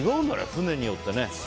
船によってね。